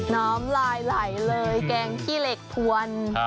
น้ำลายไหลเลยแกงขี้เหล็กถวน